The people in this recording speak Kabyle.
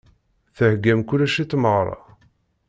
Theggam kullec i tmeɣra?